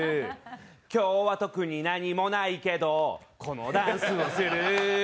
今日は特に何もないけどこのダンスをする。